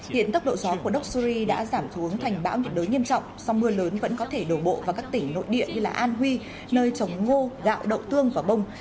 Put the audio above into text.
hiện tốc độ gió của doxury đã giảm xuống thành bão nhiệt đới nghiêm trọng song mưa lớn vẫn có thể đổ bộ vào các tỉnh nội địa như an huy nơi trồng ngô gạo đậu tương và bông